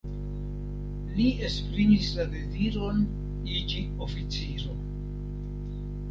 Li esprimis la deziron iĝi oficiro.